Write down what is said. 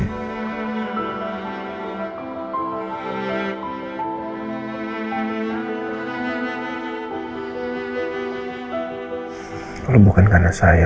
kalau bukan karena saya